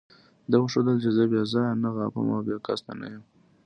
ده وښودل چې زه بې ځایه نه غاپم او بې قصده نه یم.